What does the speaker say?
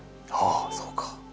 ああそうか。